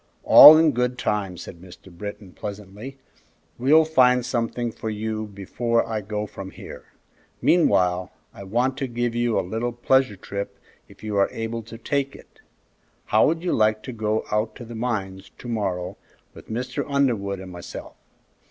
"All in good time," said Mr. Britton, pleasantly. "We'll find something for you before I go from here. Meanwhile, I want to give you a little pleasure trip if you are able to take it. How would you like to go out to the mines to morrow with Mr. Underwood and myself?